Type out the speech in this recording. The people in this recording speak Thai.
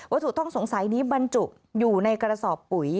ถูกต้องสงสัยนี้บรรจุอยู่ในกระสอบปุ๋ย